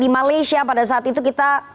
di malaysia pada saat itu kita